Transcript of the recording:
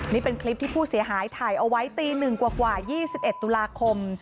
นี่เป็นคลิปที่ผู้เสียหายถ่ายเอาไว้ตี๑กว่า๒๑ตุลาคม